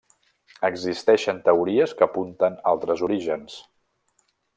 Existeixen teories que apunten altres orígens.